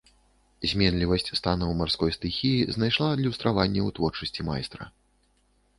Зменлівасць станаў марской стыхіі знайшла адлюстраванне ў творчасці майстра.